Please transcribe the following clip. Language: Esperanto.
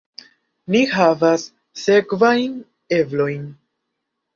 Ni havas sekvajn eblojn.